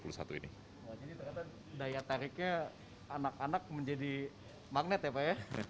jadi terkata daya tariknya anak anak menjadi magnet ya pak ya